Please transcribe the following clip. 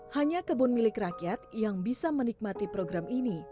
hanya kebun milik rakyat yang bisa menikmati program ini